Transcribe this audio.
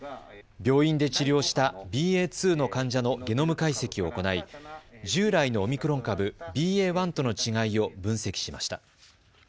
病院で治療したＢＡ．２の患者のゲノム解析を行い従来のオミクロン株、ＢＡ．１との違いを分析しました。